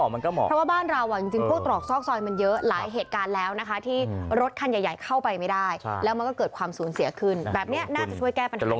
เพราะว่าบ้านเราจริงพวกตรอกซอกซอยมันเยอะหลายเหตุการณ์แล้วนะคะที่รถคันใหญ่เข้าไปไม่ได้แล้วมันก็เกิดความสูญเสียขึ้นแบบนี้น่าจะช่วยแก้ปัญหา